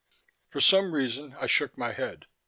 For some reason I shook my head.